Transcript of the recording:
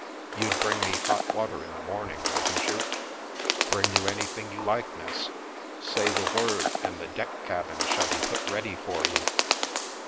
You'd bring me hot water in the morning, wouldn't you ?"" Bring you anything you like, miss. Say the word, and the deck cabin shall be put ready for 'ee."